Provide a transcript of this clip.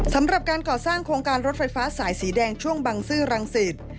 สำหรับการก่อสร้างโครงการรถไฟฟ้าสายสีแดงช่วงบังซื้อรังสิต